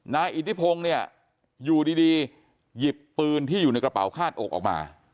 นายอิทธิพงศ์เนี่ยอยู่ดีหยิบปืนที่อยู่ในกระเป๋าคาดอกออกมา